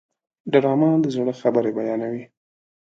ډرامه د زړه خبرې بیانوي